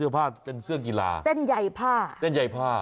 ไม่ใช่อะ